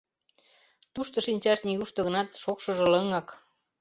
Тушто шинчаш нигушто гынат, шокшыжо лыҥак.